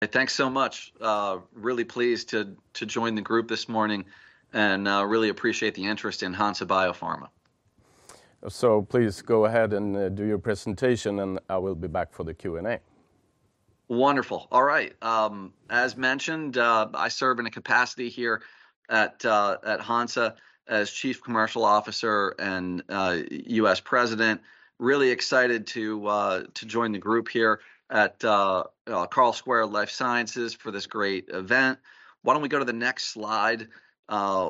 Hey, thanks so much. Really pleased to join the group this morning, and really appreciate the interest in Hansa Biopharma. So please go ahead and do your presentation, and I will be back for the Q&A. Wonderful. All right, as mentioned, I serve in a capacity here at Hansa as Chief Commercial Officer and US President. Really excited to join the group here at Carlsquare Life Sciences for this great event. Why don't we go to the next slide,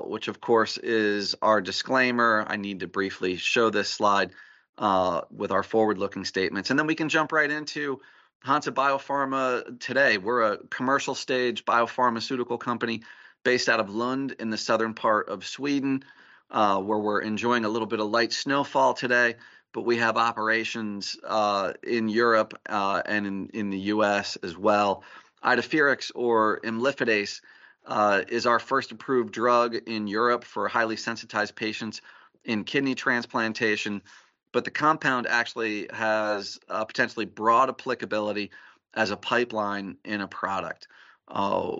which, of course, is our disclaimer. I need to briefly show this slide with our forward-looking statements, and then we can jump right into Hansa Biopharma. Today, we're a commercial stage biopharmaceutical company based out of Lund in the southern part of Sweden, where we're enjoying a little bit of light snowfall today, but we have operations in Europe and in the U.S. as well. Idefirix, or imlifidase, is our first approved drug in Europe for highly sensitized patients in kidney transplantation, but the compound actually has a potentially broad applicability as a pipeline in a product.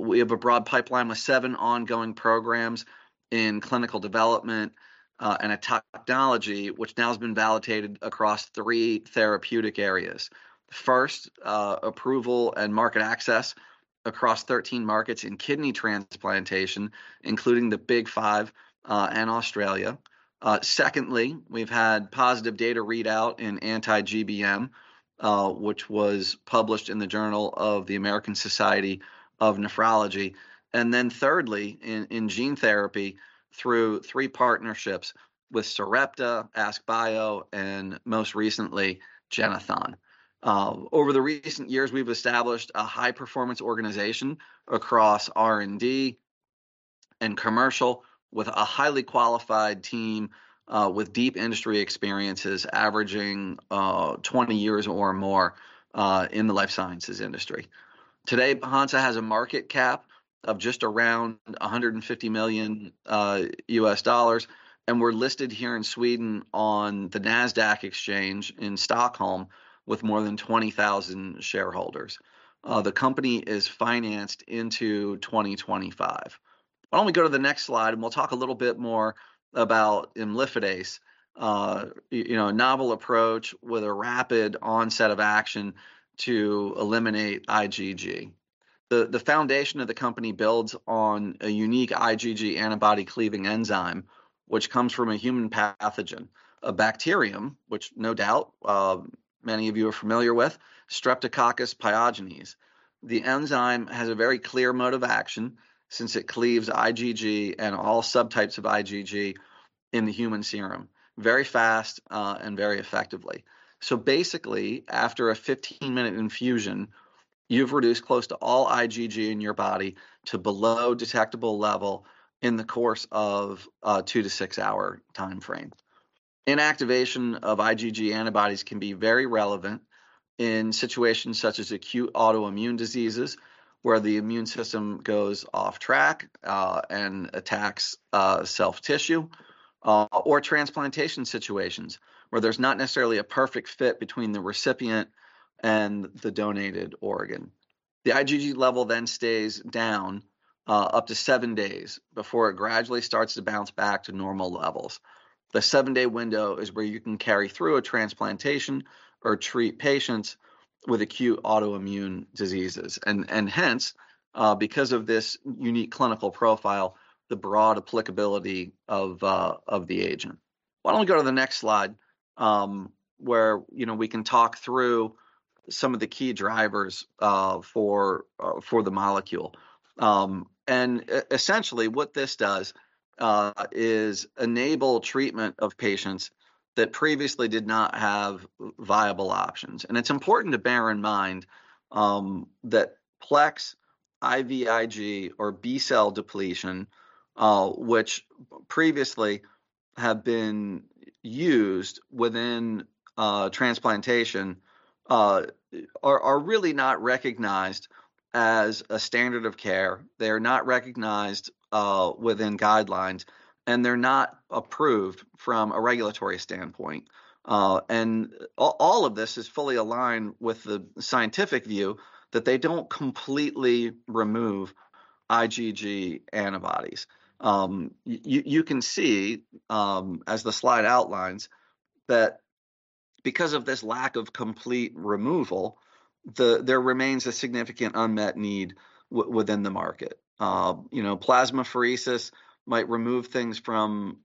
We have a broad pipeline with 7 ongoing programs in clinical development, and a technology which now has been validated across three therapeutic areas. First, approval and market access across 13 markets in kidney transplantation, including the Big Five, and Australia. Secondly, we've had positive data readout in anti-GBM, which was published in the Journal of the American Society of Nephrology, and then thirdly, in gene therapy, through 3 partnerships with Sarepta, AskBio, and most recently, Généthon. Over the recent years, we've established a high-performance organization across R&D and commercial with a highly qualified team with deep industry experiences averaging 20 years or more in the life sciences industry. Today, Hansa has a market cap of just around $150 million, and we're listed here in Sweden on the Nasdaq exchange in Stockholm with more than 20,000 shareholders. The company is financed into 2025. Why don't we go to the next slide, and we'll talk a little bit more about imlifidase, you know, a novel approach with a rapid onset of action to eliminate IgG. The foundation of the company builds on a unique IgG antibody cleaving enzyme, which comes from a human pathogen, a bacterium, which no doubt many of you are familiar with, Streptococcus pyogenes. The enzyme has a very clear mode of action since it cleaves IgG and all subtypes of IgG in the human serum, very fast, and very effectively. So basically, after a fifteen-minute infusion, you've reduced close to all IgG in your body to below detectable level in the course of a two- to six-hour timeframe. Inactivation of IgG antibodies can be very relevant in situations such as acute autoimmune diseases, where the immune system goes off track, and attacks, self-tissue, or transplantation situations, where there's not necessarily a perfect fit between the recipient and the donated organ. The IgG level then stays down, up to seven days before it gradually starts to bounce back to normal levels. The seven-day window is where you can carry through a transplantation or treat patients with acute autoimmune diseases, and hence, because of this unique clinical profile, the broad applicability of the agent. Why don't we go to the next slide, where, you know, we can talk through some of the key drivers for the molecule? and essentially, what this does is enable treatment of patients that previously did not have viable options, and it's important to bear in mind that PLEX, IVIG, or B-cell depletion, which previously have been used within transplantation, are really not recognized as a standard of care. They're not recognized within guidelines, and they're not approved from a regulatory standpoint, and all of this is fully aligned with the scientific view that they don't completely remove IgG antibodies. You can see, as the slide outlines, that because of this lack of complete removal, there remains a significant unmet need within the market. You know, plasmapheresis might remove things from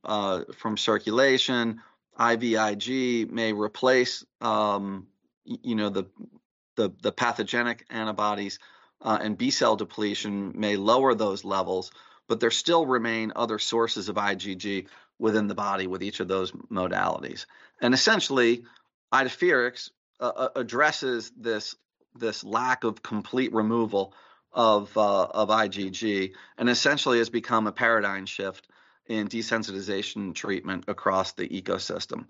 circulation, IVIG may replace you know, the pathogenic antibodies, and B-cell depletion may lower those levels, but there still remain other sources of IgG within the body with each of those modalities. And essentially, Idefirix addresses this lack of complete removal of IgG, and essentially has become a paradigm shift in desensitization treatment across the ecosystem.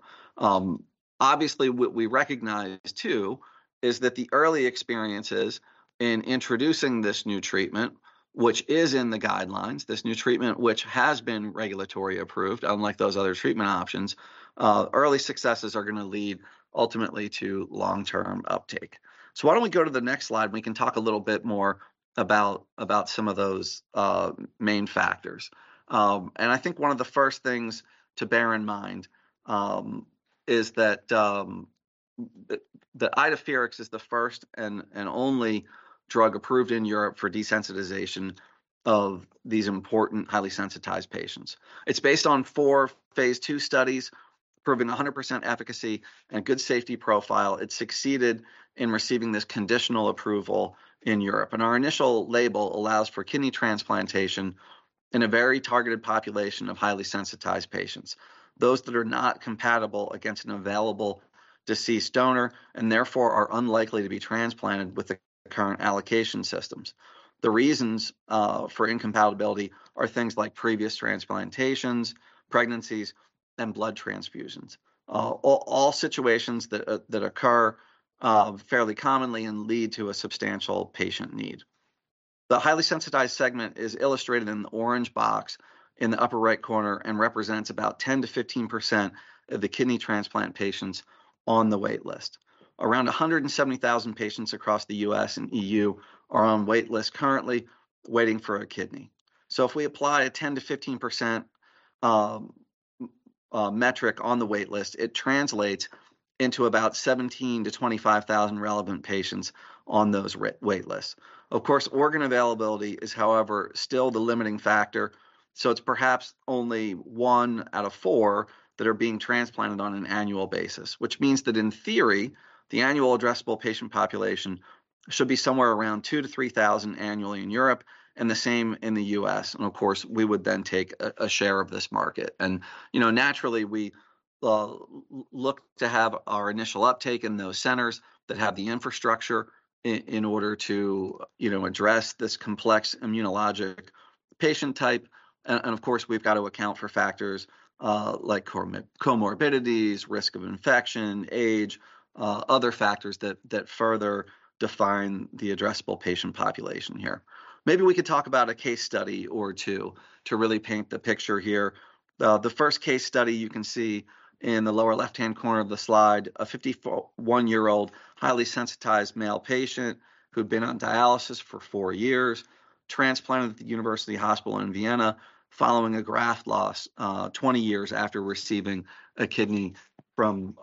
Obviously, what we recognize too, is that the early experiences in introducing this new treatment which is in the guidelines, this new treatment, which has been regulatory approved, unlike those other treatment options, early successes are gonna lead ultimately to long-term uptake. So why don't we go to the next slide, and we can talk a little bit more about some of those main factors. I think one of the first things to bear in mind is that that Idefirix is the first and only drug approved in Europe for desensitization of these important, highly sensitized patients. It's based on four phase II studies, proving 100% efficacy and a good safety profile. It succeeded in receiving this conditional approval in Europe, and our initial label allows for kidney transplantation in a very targeted population of highly sensitized patients, those that are not compatible against an available deceased donor, and therefore are unlikely to be transplanted with the current allocation systems. The reasons for incompatibility are things like previous transplantations, pregnancies, and blood transfusions, all situations that occur fairly commonly and lead to a substantial patient need. The highly sensitized segment is illustrated in the orange box in the upper-right corner and represents about 10%-15% of the kidney transplant patients on the wait list. Around a hundred and seventy thousand patients across the U.S. and EU are on wait lists currently, waiting for a kidney. So if we apply a 10%-15% metric on the wait list, it translates into about 17,000-25,000 relevant patients on those wait lists. Of course, organ availability is, however, still the limiting factor, so it's perhaps only one out of four that are being transplanted on an annual basis, which means that, in theory, the annual addressable patient population should be somewhere around 2,000-3,000 annually in Europe and the same in the US, and of course, we would then take a share of this market. You know, naturally, we look to have our initial uptake in those centers that have the infrastructure in order to, you know, address this complex immunologic patient type. Of course, we've got to account for factors like comorbidities, risk of infection, age, other factors that further define the addressable patient population here. Maybe we could talk about a case study or two to really paint the picture here. The first case study you can see in the lower left-hand corner of the slide, a 51 year old, highly sensitized male patient who'd been on dialysis for four years, transplanted at the University Hospital in Vienna, following a graft loss twenty years after receiving a kidney from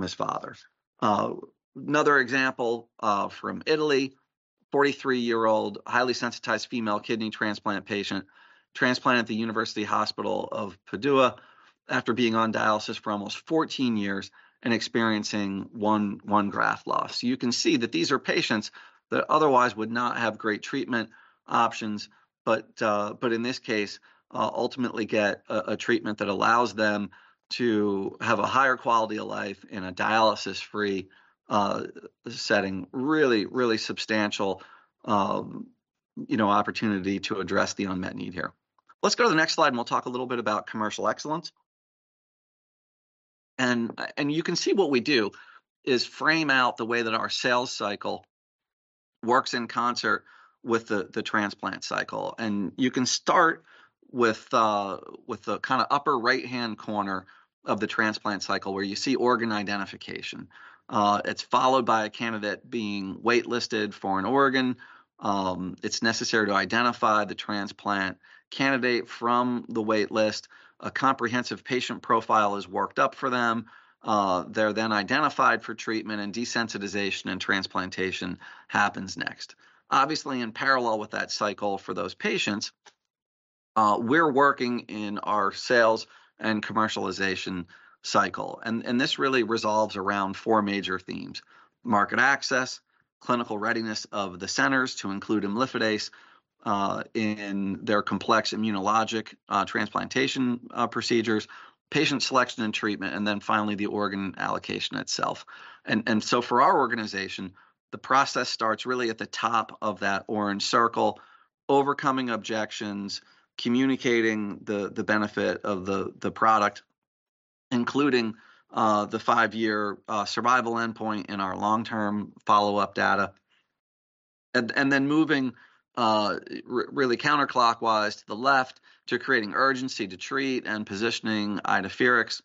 his father. Another example from Italy, a 43 year old, highly sensitized female kidney transplant patient transplanted at the University Hospital of Padua after being on dialysis for almost fourteen years and experiencing one graft loss. You can see that these are patients that otherwise would not have great treatment options, but in this case, ultimately get a treatment that allows them to have a higher quality of life in a dialysis-free setting. Really substantial, you know, opportunity to address the unmet need here. Let's go to the next slide, and we'll talk a little bit about commercial excellence. You can see what we do is frame out the way that our sales cycle works in concert with the transplant cycle. You can start with the kind of upper right-hand corner of the transplant cycle, where you see organ identification. It's followed by a candidate being wait-listed for an organ. It's necessary to identify the transplant candidate from the wait list. A comprehensive patient profile is worked up for them. They're then identified for treatment, and desensitization and transplantation happens next. Obviously, in parallel with that cycle for those patients, we're working in our sales and commercialization cycle, and this really resolves around four major themes: market access, clinical readiness of the centers to include imlifidase in their complex immunologic transplantation procedures, patient selection and treatment, and then finally, the organ allocation itself. So for our organization, the process starts really at the top of that orange circle, overcoming objections, communicating the benefit of the product, including the five-year survival endpoint in our long-term follow-up data. Then moving really counterclockwise to the left to creating urgency to treat and positioning Idefirix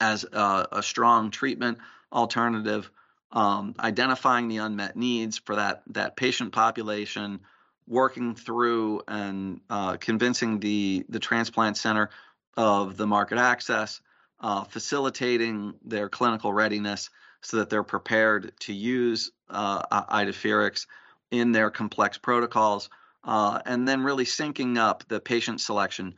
as a strong treatment alternative, identifying the unmet needs for that patient population, working through and convincing the transplant center of the market access, facilitating their clinical readiness so that they're prepared to use Idefirix in their complex protocols, and then really syncing up the patient selection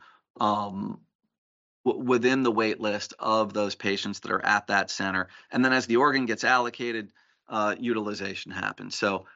within the wait list of those patients that are at that center, and then as the organ gets allocated, utilization happens. So,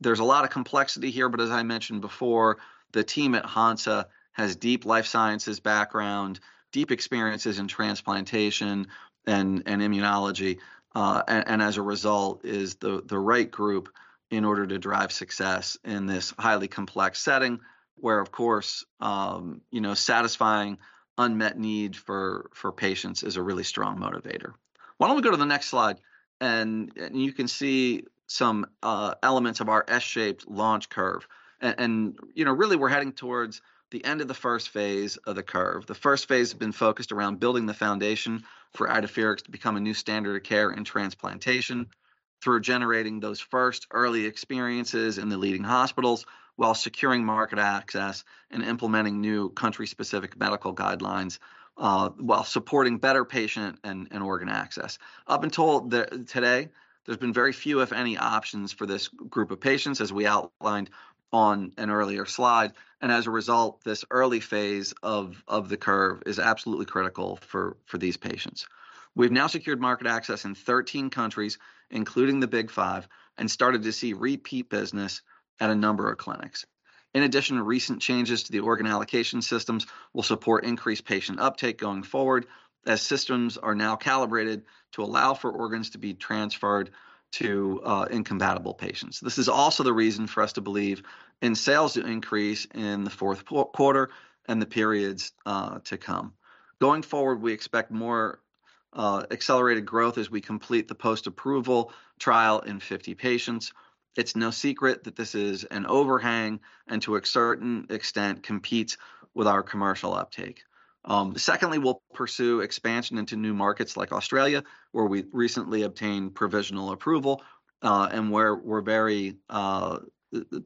there's a lot of complexity here, but as I mentioned before, the team at Hansa has deep life sciences background, deep experiences in transplantation and immunology, and as a result, is the right group in order to drive success in this highly complex setting, where of course, you know, satisfying unmet need for patients is a really strong motivator. Why don't we go to the next slide, and you can see some elements of our S-shaped launch curve, and, you know, really, we're heading towards the end of the first phase of the curve. The first phase has been focused around building the foundation for Idefirix to become a new standard of care in transplantation through generating those first early experiences in the leading hospitals, while securing market access and implementing new country-specific medical guidelines, while supporting better patient and organ access. I've been told that today, there's been very few, if any, options for this group of patients, as we outlined on an earlier slide, and as a result, this early phase of the curve is absolutely critical for these patients. We've now secured market access in 13 countries, including the Big Five, and started to see repeat business at a number of clinics. In addition to recent changes to the organ allocation systems, we'll support increased patient uptake going forward, as systems are now calibrated to allow for organs to be transferred to incompatible patients. This is also the reason for us to believe in sales increase in the fourth quarter and the periods to come. Going forward, we expect more accelerated growth as we complete the post-approval trial in 50 patients. It's no secret that this is an overhang and, to a certain extent, competes with our commercial uptake. Secondly, we'll pursue expansion into new markets like Australia, where we recently obtained provisional approval, and we're very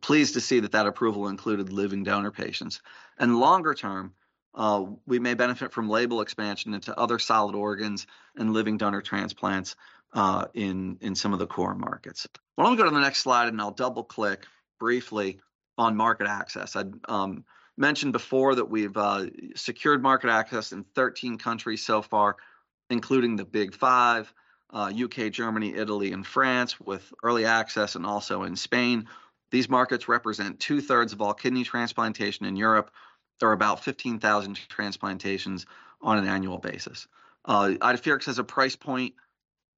pleased to see that approval included living donor patients, and longer term, we may benefit from label expansion into other solid organs and living donor transplants in some of the core markets. Why don't we go to the next slide, and I'll double-click briefly on market access? I mentioned before that we've secured market access in 13 countries so far, including the Big Five: UK, Germany, Italy, and France, with early access, and also in Spain. These markets represent two-thirds of all kidney transplantation in Europe. There are about 15,000 transplantations on an annual basis. Idefirix has a price point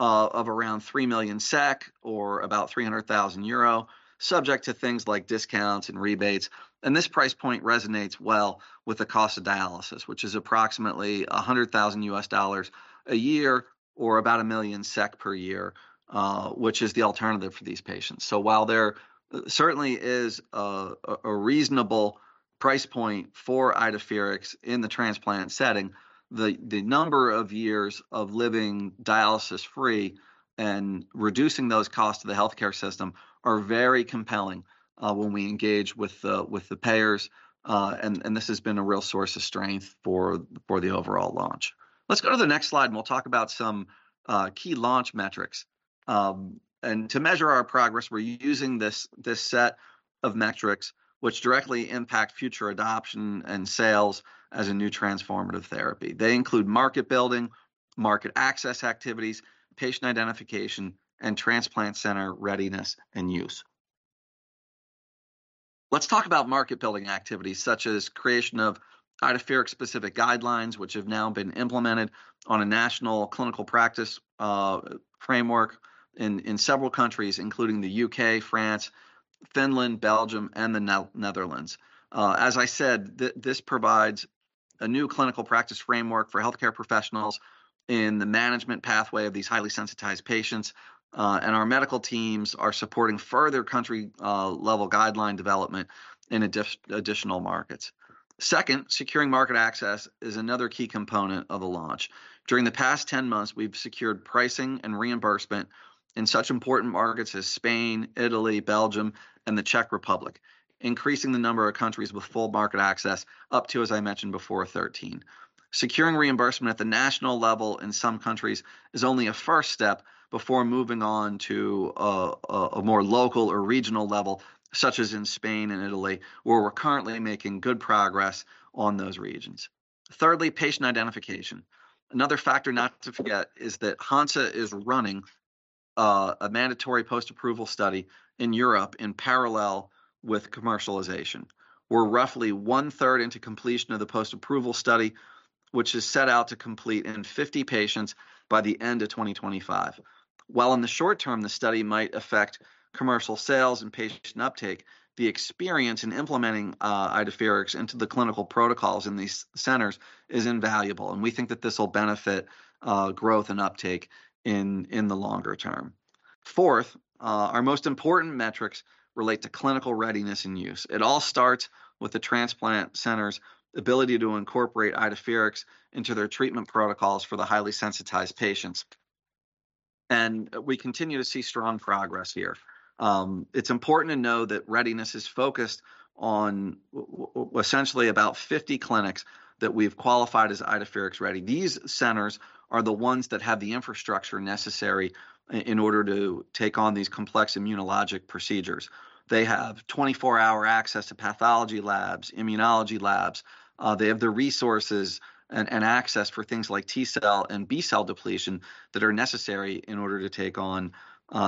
of around 3 million SEK or about 300,000 euro, subject to things like discounts and rebates, and this price point resonates well with the cost of dialysis, which is approximately $100,000 a year or about 1 million SEK per year, which is the alternative for these patients. So while there certainly is a reasonable price point for Idefirix in the transplant setting, the number of years of living dialysis-free and reducing those costs to the healthcare system are very compelling when we engage with the payers, and this has been a real source of strength for the overall launch. Let's go to the next slide, and we'll talk about some key launch metrics. And to measure our progress, we're using this set of metrics which directly impact future adoption and sales as a new transformative therapy. They include market building, market access activities, patient identification, and transplant center readiness and use. Let's talk about market-building activities, such as creation of Idefirix-specific guidelines, which have now been implemented on a national clinical practice framework in several countries, including the UK, France, Finland, Belgium, and the Netherlands. As I said, this provides a new clinical practice framework for healthcare professionals in the management pathway of these highly sensitized patients, and our medical teams are supporting further country level guideline development in additional markets. Second, securing market access is another key component of a launch. During the past ten months, we've secured pricing and reimbursement in such important markets as Spain, Italy, Belgium, and the Czech Republic, increasing the number of countries with full market access up to, as I mentioned before, 13. Securing reimbursement at the national level in some countries is only a first step before moving on to a more local or regional level, such as in Spain and Italy, where we're currently making good progress on those regions. Thirdly, patient identification. Another factor not to forget is that Hansa is running a mandatory post-approval study in Europe in parallel with commercialization. We're roughly 1/3 into completion of the post-approval study, which is set out to complete in 50 patients by the end of 2025. While in the short term, the study might affect commercial sales and patient uptake, the experience in implementing Idefirix into the clinical protocols in these centers is invaluable, and we think that this will benefit growth and uptake in the longer term. Fourth, our most important metrics relate to clinical readiness and use. It all starts with the transplant center's ability to incorporate Idefirix into their treatment protocols for the highly sensitized patients, and we continue to see strong progress here. It's important to know that readiness is focused on essentially about fifty clinics that we've qualified as Idefirix ready. These centers are the ones that have the infrastructure necessary in order to take on these complex immunologic procedures. They have twenty-four-hour access to pathology labs, immunology labs. They have the resources and access for things like T-cell and B-cell depletion that are necessary in order to take on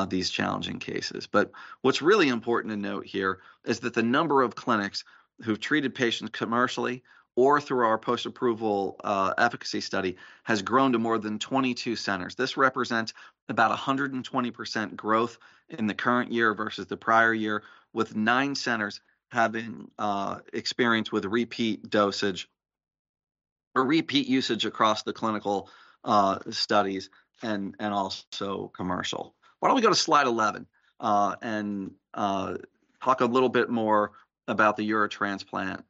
these challenging cases. But what's really important to note here is that the number of clinics who've treated patients commercially or through our post-approval efficacy study has grown to more than 22 centers. This represents about 120% growth in the current year versus the prior year, with nine centers having experience with repeat usage across the clinical studies and also commercial. Why don't we go to slide 11 and talk a little bit more about the Eurotransplant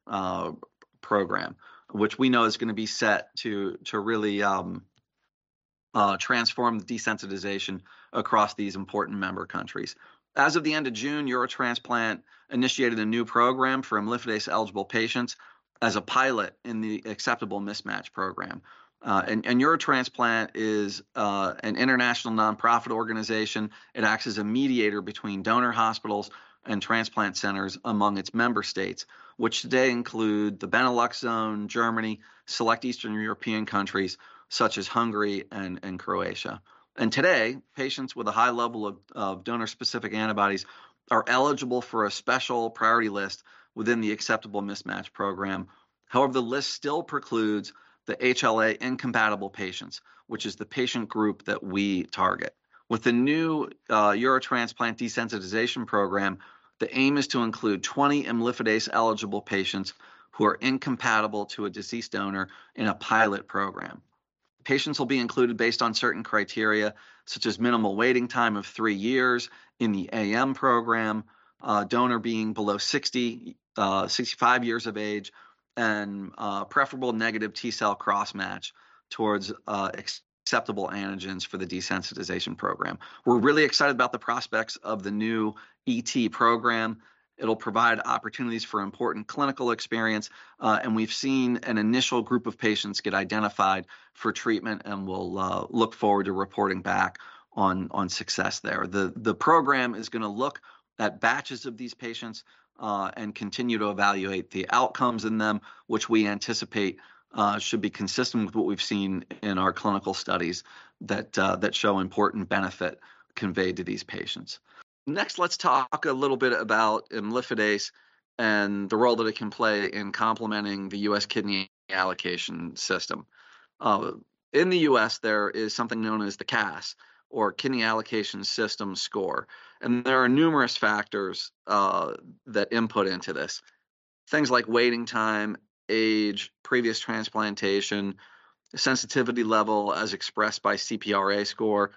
program, which we know is gonna be set to really transform the desensitization across these important member countries. As of the end of June, Eurotransplant initiated a new program for imlifidase-eligible patients as a pilot in the Acceptable Mismatch program. Eurotransplant is an international non-profit organization. It acts as a mediator between donor hospitals and transplant centers among its member states, which today include the Benelux zone, Germany, select Eastern European countries such as Hungary and Croatia. Today, patients with a high level of donor-specific antibodies are eligible for a special priority list within the Acceptable Mismatch program. However, the list still precludes the HLA-incompatible patients, which is the patient group that we target. With the new Eurotransplant desensitization program, the aim is to include 20 imlifidase-eligible patients who are incompatible to a deceased donor in a pilot program. Patients will be included based on certain criteria, such as minimal waiting time of three years in the AM program, donor being below 65 years of age, and preferably negative T-cell cross-match towards acceptable antigens for the desensitization program. We're really excited about the prospects of the new ET program. It'll provide opportunities for important clinical experience, and we've seen an initial group of patients get identified for treatment, and we'll look forward to reporting back on success there. The program is gonna look at batches of these patients, and continue to evaluate the outcomes in them, which we anticipate should be consistent with what we've seen in our clinical studies that show important benefit conveyed to these patients. Next, let's talk a little bit about imlifidase and the role that it can play in complementing the US kidney allocation system. In the U.S., there is something known as the KAS, or Kidney Allocation System, and there are numerous factors that input into this. Things like waiting time, age, previous transplantation, sensitivity level as expressed by CPRA score,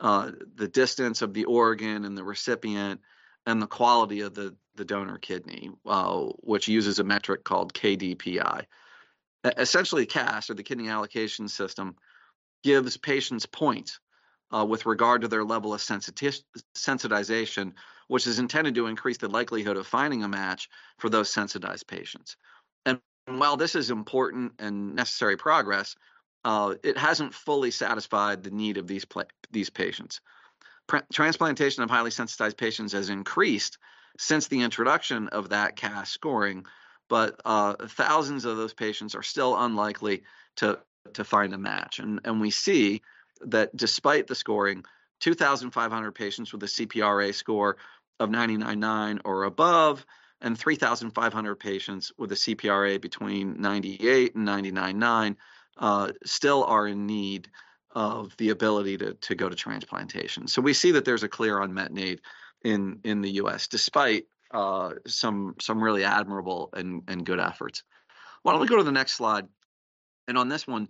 the distance of the organ and the recipient, and the quality of the donor kidney, which uses a metric called KDPI. Essentially, KAS, or the Kidney Allocation System, gives patients points with regard to their level of sensitization, which is intended to increase the likelihood of finding a match for those sensitized patients. While this is important and necessary progress, it hasn't fully satisfied the need of these patients. Transplantation of highly sensitized patients has increased since the introduction of that KAS scoring, but thousands of those patients are still unlikely to find a match. We see that despite the scoring, 2,500 patients with a CPRA score of 99 or above, and 3,500 patients with a CPRA between 98 and 99, still are in need of the ability to go to transplantation. We see that there's a clear unmet need in the US, despite some really admirable and good efforts. Why don't we go to the next slide? On this one,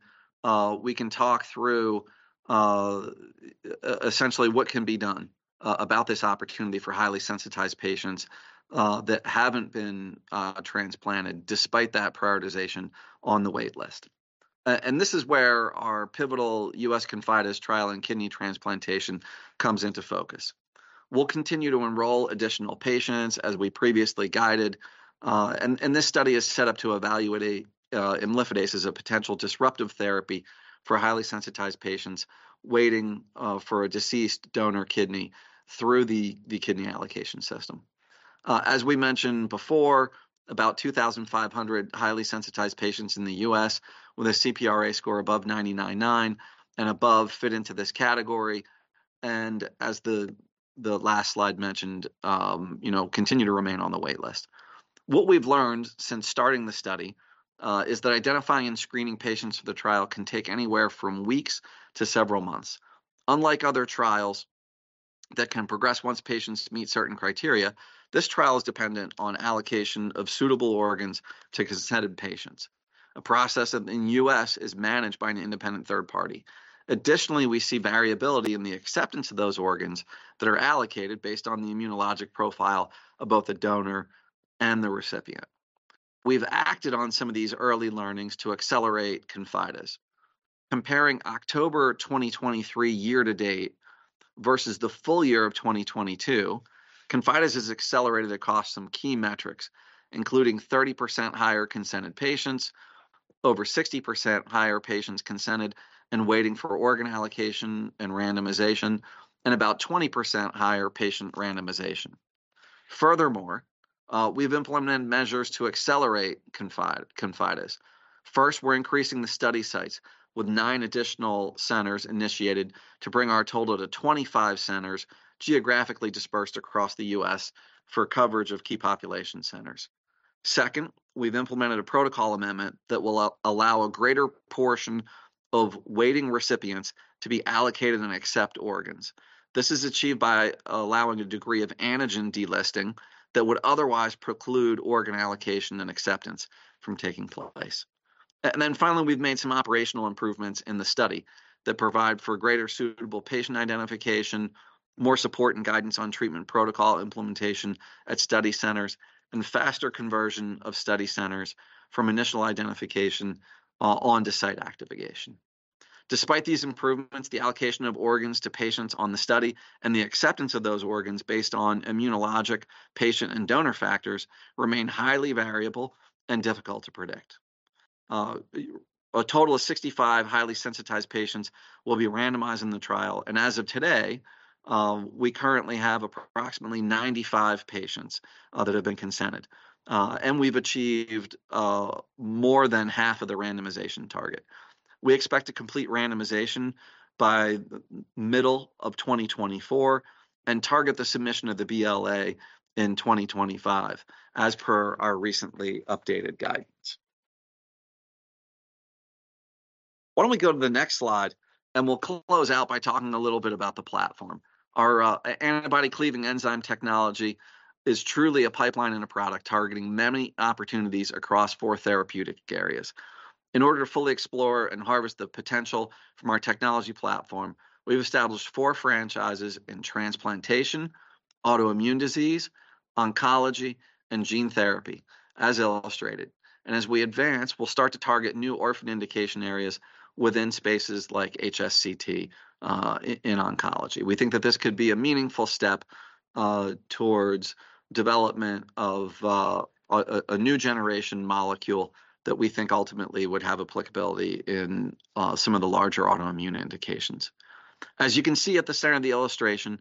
we can talk through essentially what can be done about this opportunity for highly sensitized patients that haven't been transplanted despite that prioritization on the wait list. This is where our pivotal US ConfIdeS trial in kidney transplantation comes into focus. We'll continue to enroll additional patients, as we previously guided, and this study is set up to evaluate imlifidase as a potential disruptive therapy for highly sensitized patients waiting for a deceased donor kidney through the kidney allocation system. As we mentioned before, about two thousand five hundred highly sensitized patients in the U.S. with a CPRA score above ninety-nine and above fit into this category, and as the last slide mentioned, you know, continue to remain on the wait list. What we've learned since starting the study is that identifying and screening patients for the trial can take anywhere from weeks to several months. Unlike other trials that can progress once patients meet certain criteria, this trial is dependent on allocation of suitable organs to consented patients, a process that in the U.S. is managed by an independent third party. Additionally, we see variability in the acceptance of those organs that are allocated based on the immunologic profile of both the donor and the recipient. We've acted on some of these early learnings to accelerate ConfIdeS. Comparing October 2023 year to date versus the full year of 2022, ConfIdeS has accelerated across some key metrics, including 30% higher consented patients, over 60% higher patients consented and waiting for organ allocation and randomization, and about 20% higher patient randomization. Furthermore, we've implemented measures to accelerate ConfIdeS. First, we're increasing the study sites, with nine additional centers initiated to bring our total to 25 centers geographically dispersed across the US for coverage of key population centers. Second, we've implemented a protocol amendment that will allow a greater portion of waiting recipients to be allocated and accept organs. This is achieved by allowing a degree of antigen delisting that would otherwise preclude organ allocation and acceptance from taking place, and then finally, we've made some operational improvements in the study that provide for greater suitable patient identification, more support and guidance on treatment protocol implementation at study centers, and faster conversion of study centers from initial identification on to site activation. Despite these improvements, the allocation of organs to patients on the study and the acceptance of those organs based on immunologic patient and donor factors remain highly variable and difficult to predict. A total of 65 highly sensitized patients will be randomized in the trial, and as of today, we currently have approximately 95 patients that have been consented, and we've achieved more than half of the randomization target. We expect to complete randomization by middle of 2024, and target the submission of the BLA in 2025, as per our recently updated guidance. Why don't we go to the next slide, and we'll close out by talking a little bit about the platform? Our antibody cleaving enzyme technology is truly a pipeline and a product targeting many opportunities across four therapeutic areas. In order to fully explore and harvest the potential from our technology platform, we've established four franchises in transplantation, autoimmune disease, oncology, and gene therapy, as illustrated. And as we advance, we'll start to target new orphan indication areas within spaces like HSCT in oncology. We think that this could be a meaningful step towards development of a new generation molecule that we think ultimately would have applicability in some of the larger autoimmune indications. As you can see at the center of the illustration,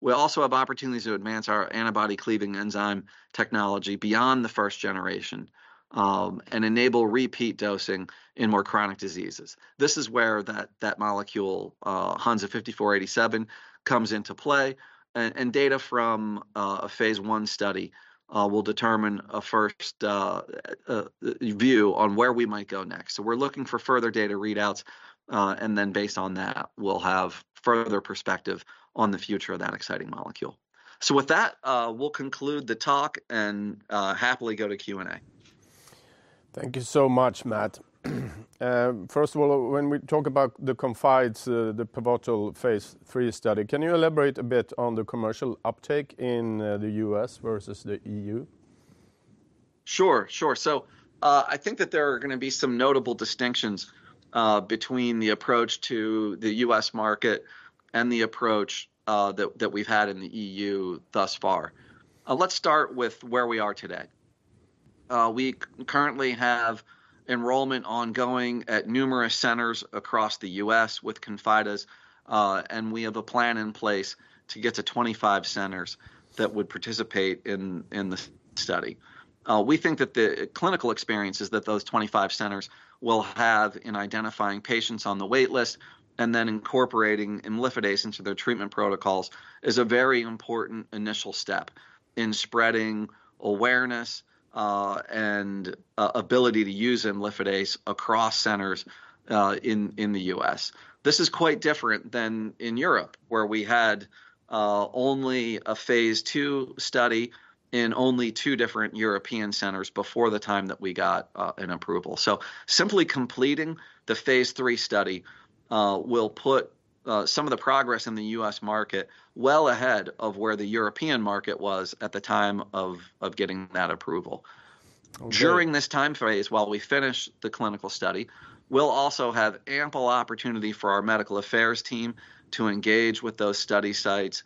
we also have opportunities to advance our antibody cleaving enzyme technology beyond the first generation and enable repeat dosing in more chronic diseases. This is where that molecule, HNSA-5487, comes into play. And data from a phase one study will determine a first view on where we might go next. So we're looking for further data readouts, and then based on that, we'll have further perspective on the future of that exciting molecule. So with that, we'll conclude the talk and happily go to Q&A. Thank you so much, Matt. First of all, when we talk about the ConfIdeS, the pivotal phase 3 study, can you elaborate a bit on the commercial uptake in the U.S. versus the EU? Sure, sure, so I think that there are gonna be some notable distinctions between the approach to the U.S. market and the approach that we've had in the EU thus far. Let's start with where we are today. We currently have enrollment ongoing at numerous centers across the US with ConfIdeS, and we have a plan in place to get to 25 centers that would participate in the study. We think that the clinical experiences that those 25 centers will have in identifying patients on the wait list, and then incorporating imlifidase into their treatment protocols, is a very important initial step in spreading awareness, and ability to use imlifidase across centers in the U.S. This is quite different than in Europe, where we had only a phase two study in only two different European centers before the time that we got an approval, so simply completing the phase three study will put some of the progress in the U.S. market well ahead of where the European market was at the time of getting that approval. Okay. During this time phase, while we finish the clinical study, we'll also have ample opportunity for our medical affairs team to engage with those study sites,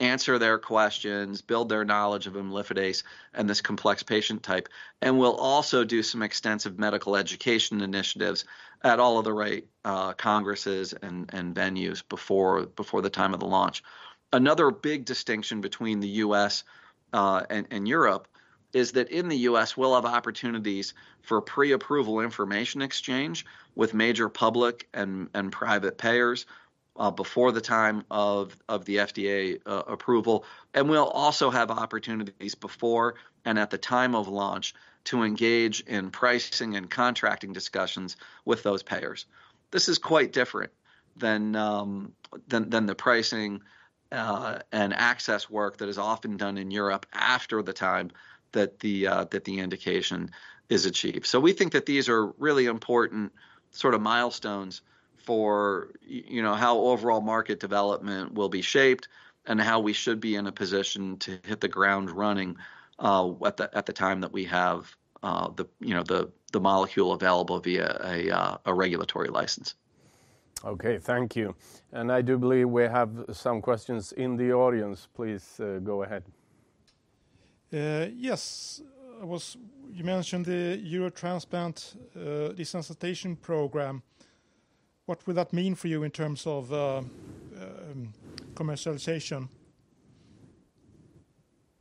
answer their questions, build their knowledge of imlifidase and this complex patient type, and we'll also do some extensive medical education initiatives at all of the right congresses and venues before the time of the launch. Another big distinction between the U.S. and Europe is that in the U.S., we'll have opportunities for pre-approval information exchange with major public and private payers before the time of the FDA approval. And we'll also have opportunities before and at the time of launch, to engage in pricing and contracting discussions with those payers. This is quite different than the pricing and access work that is often done in Europe after the time that the indication is achieved. So we think that these are really important sort of milestones for you know, how overall market development will be shaped, and how we should be in a position to hit the ground running, at the time that we have the molecule available via a regulatory license. Okay, thank you. And I do believe we have some questions in the audience. Please, go ahead. Yes. You mentioned the Eurotransplant desensitization program. What would that mean for you in terms of commercialization?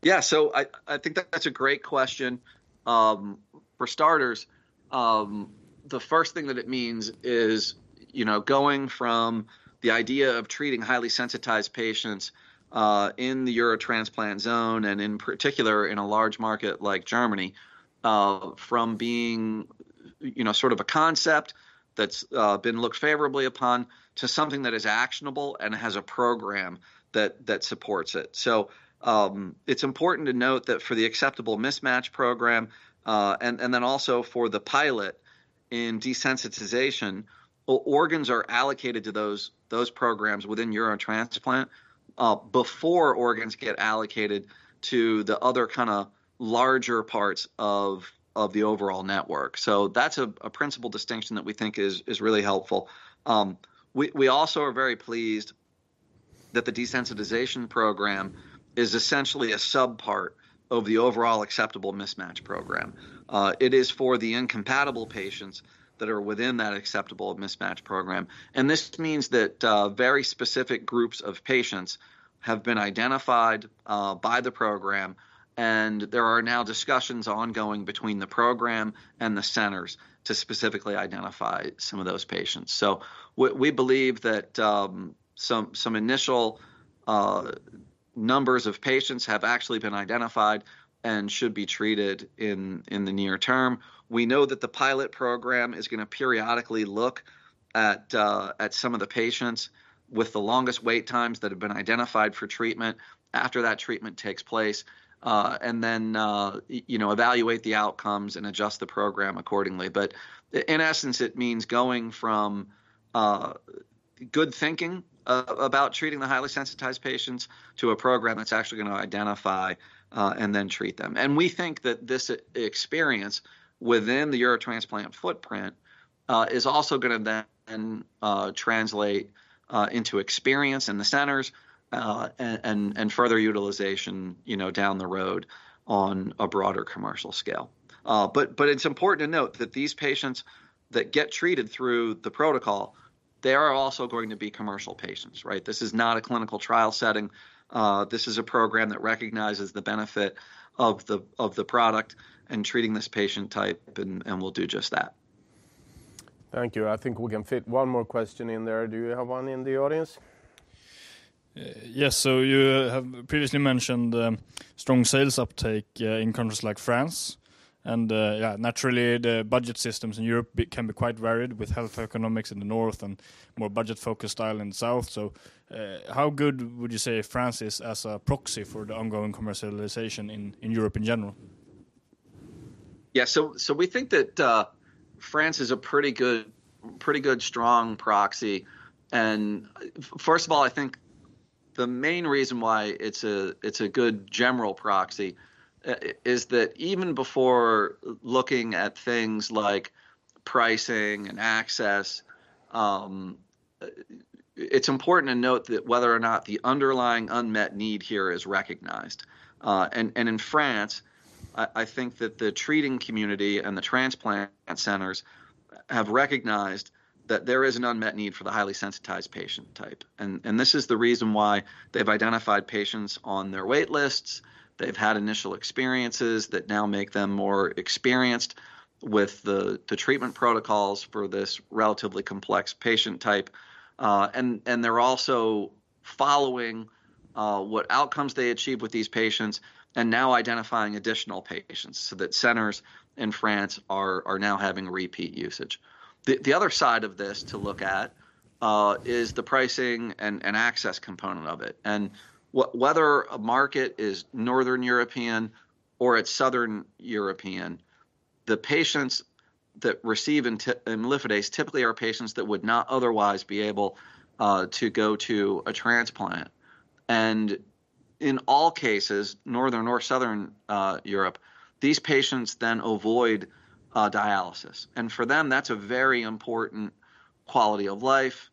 Yeah, so I think that's a great question. For starters, the first thing that it means is, you know, going from the idea of treating highly sensitized patients in the Eurotransplant zone, and in particular, in a large market like Germany, from being, you know, sort of a concept that's been looked favorably upon to something that is actionable and has a program that supports it. So it's important to note that for the acceptable mismatch program, and then also for the pilot in desensitization, organs are allocated to those programs within Eurotransplant before organs get allocated to the other kinda larger parts of the overall network. So that's a principal distinction that we think is really helpful. We also are very pleased that the desensitization program is essentially a sub-part of the overall acceptable mismatch program. It is for the incompatible patients that are within that acceptable mismatch program, and this means that very specific groups of patients have been identified by the program, and there are now discussions ongoing between the program and the centers to specifically identify some of those patients. So we believe that some initial numbers of patients have actually been identified and should be treated in the near term. We know that the pilot program is gonna periodically look at some of the patients with the longest wait times that have been identified for treatment after that treatment takes place. And then you know, evaluate the outcomes and adjust the program accordingly. But in essence, it means going from good thinking about treating the highly sensitized patients to a program that's actually gonna identify and then treat them. And we think that this experience within the Eurotransplant footprint is also gonna then translate into experience in the centers and further utilization, you know, down the road on a broader commercial scale. But it's important to note that these patients that get treated through the protocol, they are also going to be commercial patients, right? This is not a clinical trial setting. This is a program that recognizes the benefit of the product in treating this patient type and will do just that. Thank you. I think we can fit one more question in there. Do you have one in the audience? Yes. So you have previously mentioned strong sales uptake in countries like France, and yeah, naturally, the budget systems in Europe can be quite varied, with health economics in the north and more budget-focused style in the south. So, how good would you say France is as a proxy for the ongoing commercialization in Europe in general? Yeah, so we think that France is a pretty good strong proxy. And first of all, I think the main reason why it's a good general proxy is that even before looking at things like pricing and access, it's important to note that whether or not the underlying unmet need here is recognized. And in France, I think that the treating community and the transplant centers have recognized that there is an unmet need for the highly sensitized patient type, and this is the reason why they've identified patients on their wait lists. They've had initial experiences that now make them more experienced with the treatment protocols for this relatively complex patient type. They're also following what outcomes they achieve with these patients and now identifying additional patients so that centers in France are now having repeat usage. The other side of this to look at is the pricing and access component of it. And whether a market is Northern European or it's Southern European, the patients that receive imlifidase typically are patients that would not otherwise be able to go to a transplant. And in all cases, Northern or Southern Europe, these patients then avoid dialysis, and for them that's a very important quality of life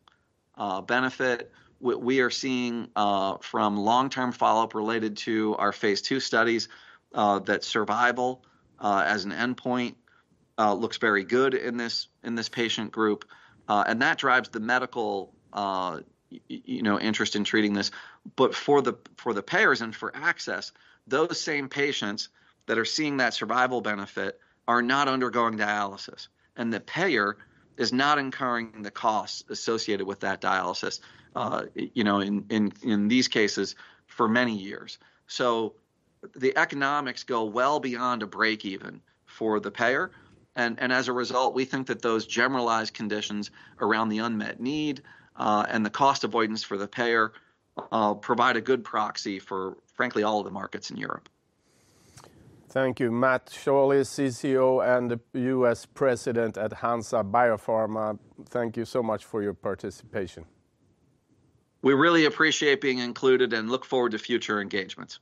benefit. We are seeing from long-term follow-up related to our phase two studies that survival as an endpoint looks very good in this patient group. And that drives the medical, you know, interest in treating this. But for the payers and for access, those same patients that are seeing that survival benefit are not undergoing dialysis, and the payer is not incurring the costs associated with that dialysis, you know, in these cases for many years. So the economics go well beyond a break even for the payer, and as a result, we think that those generalized conditions around the unmet need, and the cost avoidance for the payer, provide a good proxy for, frankly, all of the markets in Europe. Thank you, Matt Shaulis, CCO and the US President at Hansa Biopharma. Thank you so much for your participation. We really appreciate being included and look forward to future engagements.